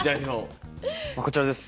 こちらです。